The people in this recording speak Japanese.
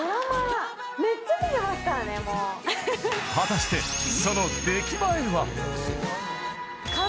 ［果たしてその出来栄えは？］